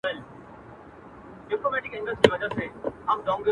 چي په ځنځيــر بـــانـــدې ډېــــوې تـــړلــــي.